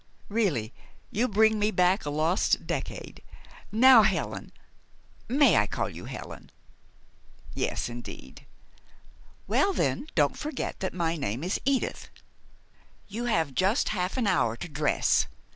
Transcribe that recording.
"Really, you bring me back a lost decade. Now, Helen may I call you Helen?" "Yes, indeed." "Well, then, don't forget that my name is Edith. You have just half an hour to dress.